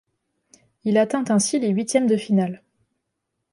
Il atteint ainsi les huitièmes de finale.